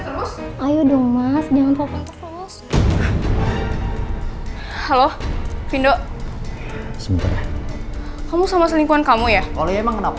terus ayo dong mas jangan terpantas halo findo kamu sama selingkuhan kamu ya boleh emang kenapa